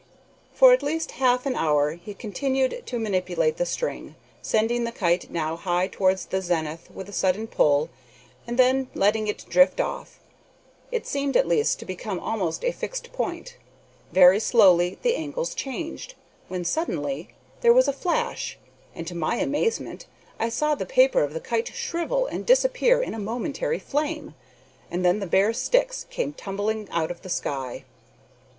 For at least half an hour he continued to manipulate the string, sending the kite now high towards the zenith with a sudden pull, and then letting it drift off. It seemed at last to become almost a fixed point. Very slowly the angles changed, when, suddenly, there was a flash, and to my amazement I saw the paper of the kite shrivel and disappear in a momentary flame, and then the bare sticks came tumbling out of the sky.